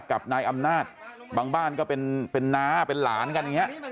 กับนายอำนาจบางบ้านก็เป็นน้าเป็นหลานกันอย่างนี้